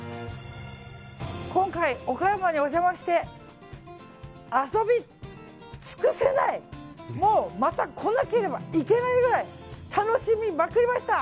今回、岡山にお邪魔して遊び尽くせない、もうまた来なければいけないくらい楽しみまくりました。